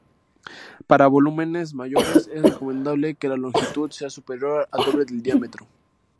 Para volúmenes mayores es recomendable que la longitud sea superior al doble del diámetro.